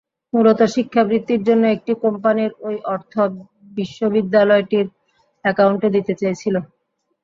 মূলত শিক্ষাবৃত্তির জন্য একটি কোম্পানির ওই অর্থ বিশ্ববিদ্যালয়টির অ্যাকাউন্টে দিতে চেয়েছিল।